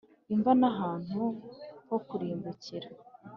imva n’ ahantu ho kurimbukira